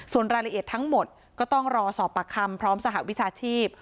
ส่วนรายละเอียดทั้งหมดก็ต้องรอสอบปากคำพร้อมสหวิชาชีพ